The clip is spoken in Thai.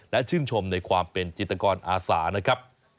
และชื่นชมในความเป็นจิตกรอาสานะครับ